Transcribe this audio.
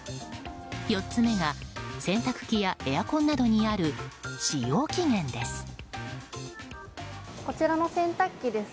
４つ目が洗濯機やエアコンなどにある使用期限です。